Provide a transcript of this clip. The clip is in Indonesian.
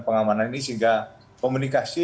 pengamanan ini sehingga komunikasi